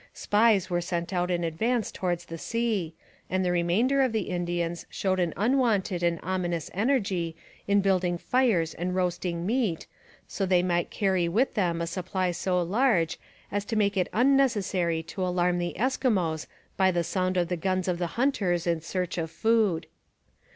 Spies were sent out in advance towards the sea, and the remainder of the Indians showed an unwonted and ominous energy in building fires and roasting meat so that they might carry with them a supply so large as to make it unnecessary to alarm the Eskimos by the sound of the guns of the hunters in search of food.